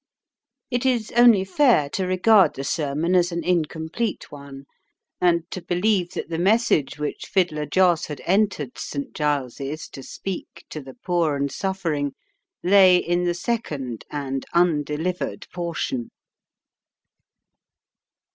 It is only fair to regard the sermon as an incomplete one, and to believe that the message which "Fiddler Joss" had entered St. Giles's to speak to the poor and suffering lay in the second and undelivered portion.